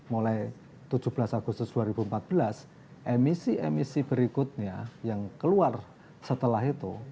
mulai tujuh belas agustus dua ribu empat belas emisi emisi berikutnya yang keluar setelah itu